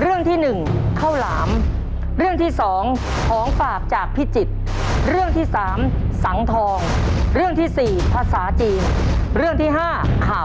รู้ได้เรียนปะคะ